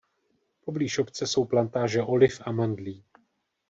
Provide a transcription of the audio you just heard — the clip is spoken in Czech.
Poblíž obce jsou plantáže oliv a mandlí.